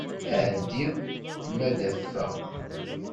Ɛeddi ma ad t-afeɣ.